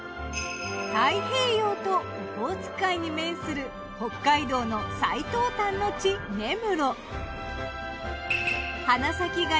太平洋とオホーツク海に面する北海道の最東端の地根室。